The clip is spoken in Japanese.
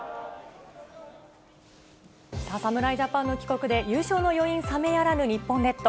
さあ、侍ジャパンの帰国で、優勝の余韻冷めやらぬ日本列島。